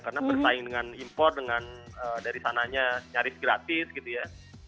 karena bersaing dengan impor dengan dari sananya nyaris gratis gitu ya